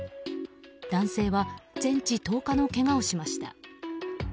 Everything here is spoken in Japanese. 男性は全治１０日のけがをしました。